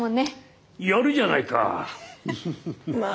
やるじゃないかあ。